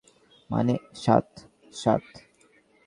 মানে সাত, সাত।